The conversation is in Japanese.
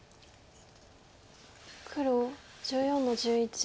黒１４の十一。